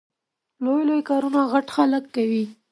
لوی لوی کارونه غټ خلګ کوي